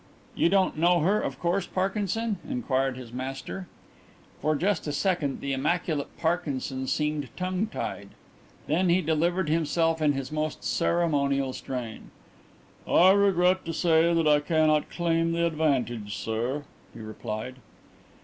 "You don't know her, of course, Parkinson?" inquired his master. For just a second the immaculate Parkinson seemed tongue tied. Then he delivered himself in his most ceremonial strain. "I regret to say that I cannot claim the advantage, sir," he replied.